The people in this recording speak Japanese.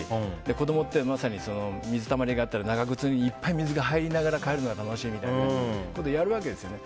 子供ってまさに水たまりがあったら長靴にいっぱい水が入りながら帰るのが楽しいみたいなことをやるわけですよね。